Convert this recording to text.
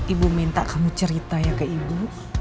ibu minta kamu cerita ya ke ibu